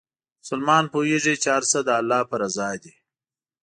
مسلمان پوهېږي چې هر څه د الله په رضا دي.